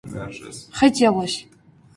хотелось